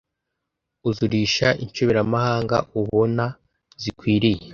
Uzurisha inshoberamahanga ubona zikwiriye